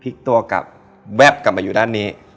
ตัวกลับแวบกลับมาอยู่ด้านนี้